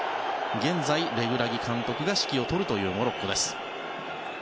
現在、レグラギ監督が指揮を執るというモロッコです。